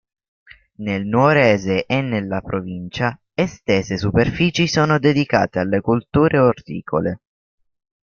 Nel nuorese e nella provincia estese superfici sono dedicate alle colture orticole.